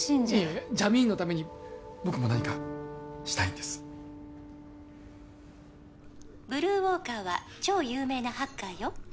いえジャミーンのために僕も何かしたいんです「ブルーウォーカーは超有名なハッカーよ」